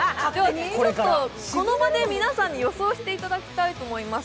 この場で皆さんに予想していただきたいと思います。